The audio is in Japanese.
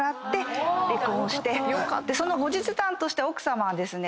その後日談として奥さまはですね